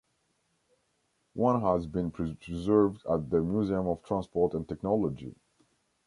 One has been preserved at the Museum of Transport and Technology.